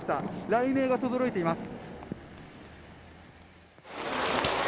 雷鳴がとどろいています。